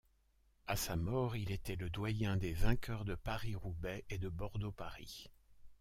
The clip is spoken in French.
À sa mort, il était le doyen des vainqueurs de Paris-Roubaix et de Bordeaux-Paris.